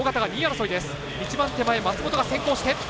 一番手前、松本が先行して。